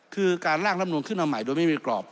คือการล่างลำนูนขึ้นมาใหม่โดยไม่มีกรอบ